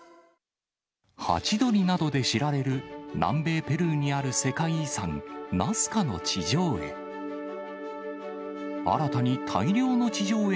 ハチドリなどで知られる、南米ペルーにある世界遺産、ナスカの地上絵。